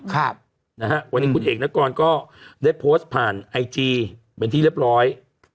ครับนะฮะวันนี้คุณเอกนกรก็ได้โพสต์ผ่านไอจีเป็นที่เรียบร้อย